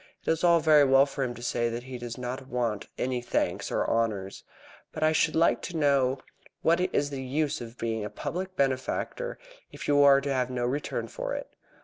It is all very well for him to say that he does not want any thanks or honours, but I should like to know what is the use of being a public benefactor if you are to have no return for it.